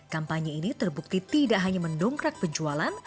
kampanye ini terbukti tidak hanya mendongkrak penjualan